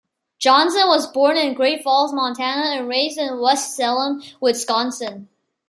Johnson was born in Great Falls, Montana, and raised in West Salem, Wisconsin.